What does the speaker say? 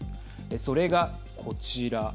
それがこちら。